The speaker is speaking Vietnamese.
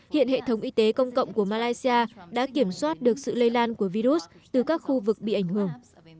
hiện hệ thống y tế công cộng của malaysia đã kiểm soát được sự lây lan của virus từ các khu vực bị ảnh hưởng